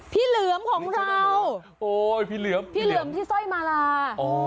พี่เหลือมของเราพี่เหลือมที่สร้อยมาลา